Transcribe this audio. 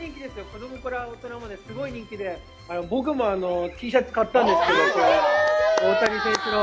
子供から大人まで、すごい人気で、僕もＴシャツ買ったんですけど、大谷選手の。